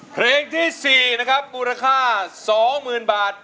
เพลงที่๔นะครับบูรค่า๒หมื่นบาท